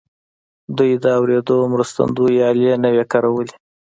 دوی د اورېدو مرستندويي الې نه وې کارولې.